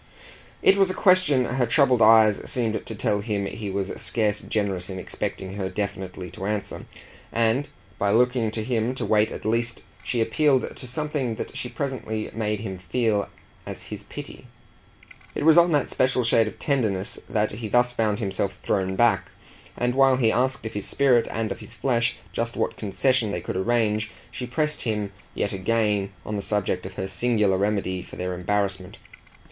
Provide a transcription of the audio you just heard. It was a question her troubled eyes seemed to tell him he was scarce generous in expecting her definitely to answer, and by looking to him to wait at least she appealed to something that she presently made him feel as his pity. It was on that special shade of tenderness that he thus found himself thrown back; and while he asked of his spirit and of his flesh just what concession they could arrange she pressed him yet again on the subject of her singular remedy for their embarrassment.